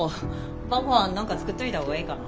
晩ごはん何か作っといた方がええかな？